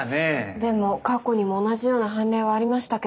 でも過去にも同じような判例はありましたけど。